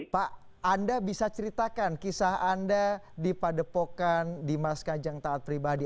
pak anda bisa ceritakan kisah anda di padepokan dimas kanjeng taat pribadi